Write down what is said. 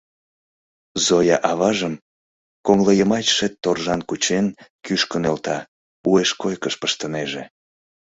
Зоя аважым, коҥылайымачше торжан кучен, кӱшкӧ нӧлта, уэш койкыш пыштынеже.